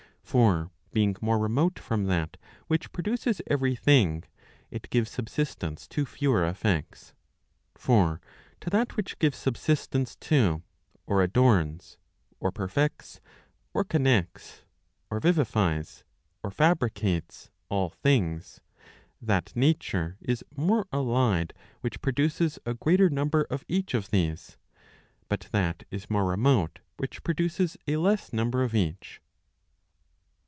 For being more remote from that which produces every thing, it gives subsistence to fewer effects. For to that which gives subsistence to, or adorns, or perfects, or connects, or vivifies, or fabricates, all things, that nature is more allied which produces a greater number of each of these; but that is more remote which produces a less number of each.